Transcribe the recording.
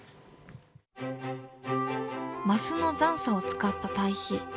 マスの残渣を使った堆肥。